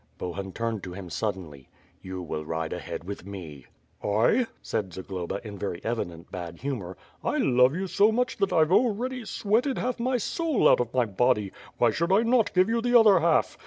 Bohun turned to him sudcdnly. "You will ride ahead with me." "I," said Zagloba in very evident bad humor. "I love you so much that I've already sweated half my soul out of my body. Why should I not give you the other half?